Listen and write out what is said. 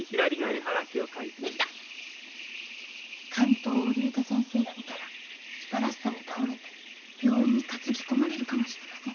「竿灯を竜太先生が見たら素晴らしさに倒れて病院にかつぎこまれるかもしれません。